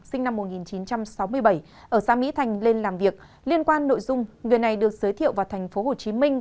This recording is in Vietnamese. sinh năm một nghìn chín trăm sáu mươi bảy ở xã mỹ thành lên làm việc liên quan nội dung người này được giới thiệu vào thành phố hồ chí minh